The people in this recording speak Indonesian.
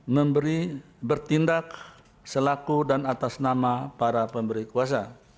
memberi bertindak selaku dan atas nama para pemberi kuasa